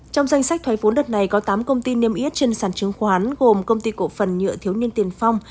trong danh sách thoái vốn đợt này có tám công ty niêm yết trên sản chứng khoán gồm công ty cổ phần nhựa thiếu niên tiền phong